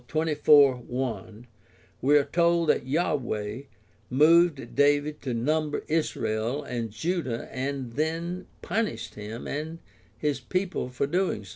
24:1 we are told that Yahweh moved David to number Israel and Judah and then punished him and his people for so doing.